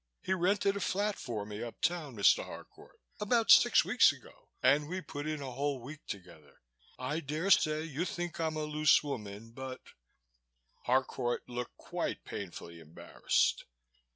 He rented a flat for me uptown, Mr. Harcourt, about six weeks ago, and we put in a whole week together. I daresay you think I'm a loose woman but " Harcourt looked quite painfully embarrassed.